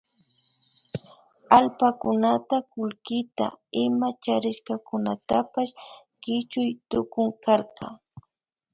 Allpakunata kullkita ima charishkakunatapash kichuy tukunkarka